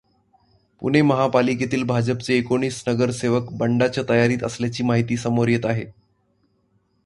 पुणे महापालिकेतील भाजपचे एकोणीस नगरसेवक बंडाच्या तयारीत असल्याची माहिती समोर येत आहे.